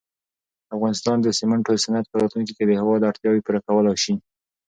د افغانستان د سېمنټو صنعت په راتلونکي کې د هېواد اړتیاوې پوره کولای شي.